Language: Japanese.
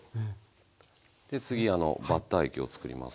で次バッター液を作ります。